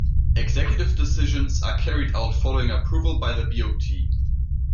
Executive decisions are carried out following approval by the BoT.